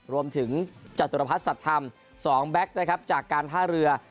รวมถึงจตุรพัฒนสัตว์ธรรม๒แบ็คนะครับจากการท่าเรือ